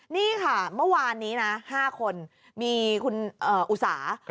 นี่ค่ะเมื่อวานนี้นะ๕คนมีคุณอุสา